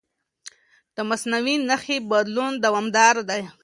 د مصنوعي نښې بدلون دوامداره دی.